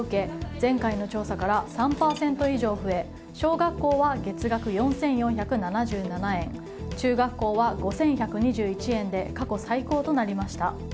前回の調査から３％以上増え小学校は月額４４７７円中学校は５１２１円で過去最高となりました。